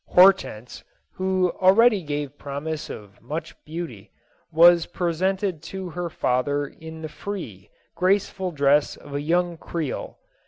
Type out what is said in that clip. Hortense, who already gave promise of much beauty, was presented to her father in the free, graceful dress of a young Creole.